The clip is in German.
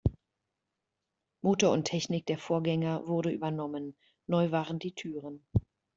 Motor und Technik der Vorgänger wurde übernommen; neu waren die Türen.